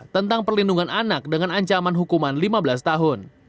tentang perlindungan anak dengan ancaman hukuman lima belas tahun